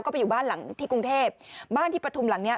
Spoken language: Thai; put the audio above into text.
ก็ไปอยู่บ้านหลังที่กรุงเทพบ้านที่ปฐุมหลังเนี้ย